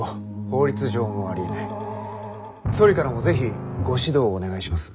総理からも是非ご指導をお願いします。